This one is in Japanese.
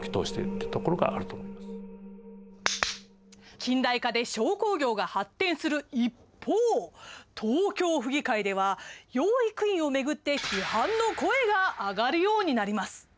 近代化で商工業が発展する一方東京府議会では養育院をめぐって批判の声が上がるようになります。